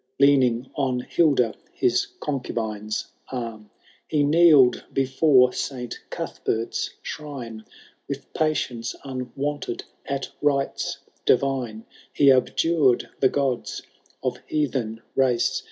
Leaning on Hilda his concubine^s ann. He kneel'd before Saint Cuthbert's shrine. With patience unwonted at rites divine ; He abjured the gods of heathen race.